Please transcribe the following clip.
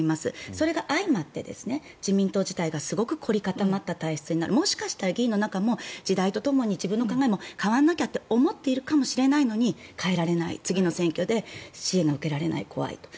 それが相まって自民党自体がすごく凝り固まった体質になるもしかしたら議員の中も時代とともに自分の考えも思っているかもしれないのに変えられない次の選挙で支援が受けられない怖いと。